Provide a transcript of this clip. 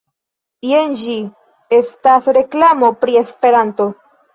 Jen ĝi, estas reklamo pri Esperanto